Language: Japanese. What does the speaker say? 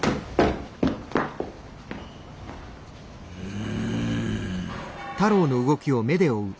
うん。